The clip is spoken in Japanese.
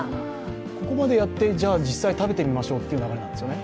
ここまでやって、実際食べてみましょうという流れなんですよね？